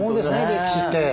歴史って。